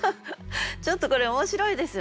ちょっとこれ面白いですよね。